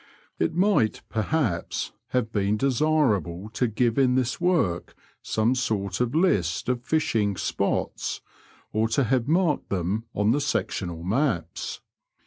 It might, perhaps, have been desirable to give in this work some sort of list of fishing " spots/' or to have marked them on the sectional maps.